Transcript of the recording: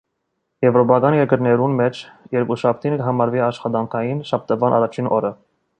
Եւրոպական երկրներուն մէջ երկուշաբթին կը համարուի աշխատանքային շաբթուան առաջին օրը։